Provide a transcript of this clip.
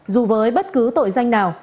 dù với bất cứ tội danh nào